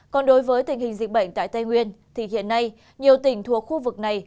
còn đối với tình hình dịch bệnh tại tây nguyên thì hiện nay nhiều tỉnh thuộc khu vực này